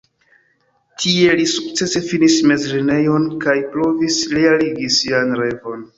Tie li sukcese finis mezlernejon kaj provis realigi sian revon.